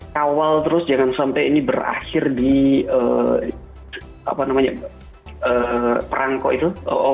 kawal terus jangan sampai ini berakhir di perangko itu